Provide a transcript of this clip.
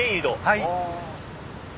はい。